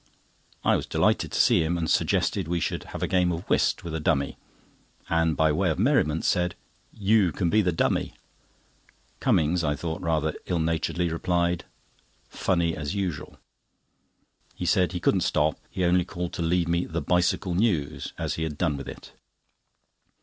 I was delighted to see him, and suggested we should have a game of whist with a dummy, and by way of merriment said: "You can be the dummy." Cummings (I thought rather ill naturedly) replied: "Funny as usual." He said he couldn't stop, he only called to leave me the Bicycle News, as he had done with it.